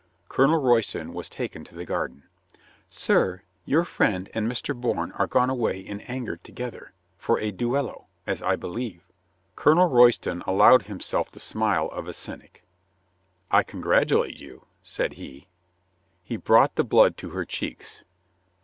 Colonel Royston was taken to the garden. "Sir, your friend and Mr. Bourne are gone away in anger together, for a duello, as I believe." Colonel Royston allowed himself the smile of a cynic. "I congratulate you," said he. He brought the blood to her cheeks.